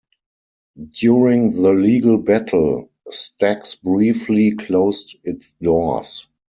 During the legal battle, Stax briefly closed its doors.